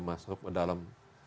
masuk ke dalam